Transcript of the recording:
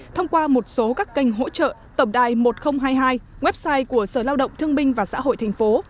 thông qua một số các kênh hỗ trợ tổng đài một nghìn hai mươi hai website của sở lao động thương minh và xã hội thành phố